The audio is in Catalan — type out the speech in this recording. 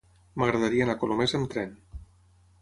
M'agradaria anar a Colomers amb tren.